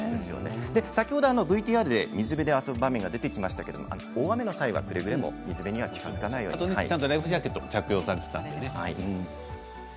ＶＴＲで水辺で遊ぶ場面が出てきましたけれども大雨の際には水辺には近づかないようにちゃんとライフジャケットも着用されていましたのでね。